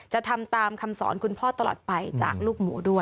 จะทำตามคำสอนคุณพ่อตลอดไปจากลูกหมูด้วย